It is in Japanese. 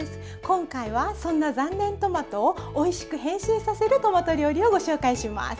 今回はそんな残念トマトをおいしく変身させるトマト料理をご紹介します。